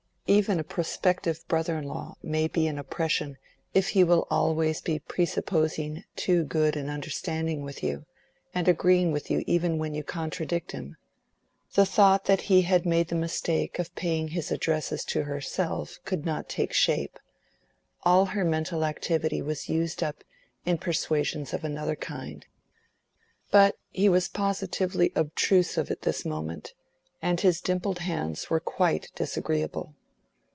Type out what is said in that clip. Even a prospective brother in law may be an oppression if he will always be presupposing too good an understanding with you, and agreeing with you even when you contradict him. The thought that he had made the mistake of paying his addresses to herself could not take shape: all her mental activity was used up in persuasions of another kind. But he was positively obtrusive at this moment, and his dimpled hands were quite disagreeable.